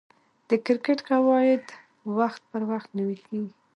د کرکټ قواعد وخت پر وخت نوي کیږي.